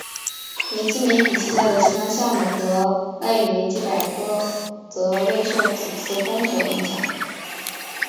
维基媒体旗下的其他项目和外语维基百科则未受此次封锁影响。